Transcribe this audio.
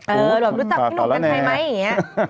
เออรู้จักพี่หนุ่มกันใครไหมอย่างนี้ป่าวแล้วเนี่ย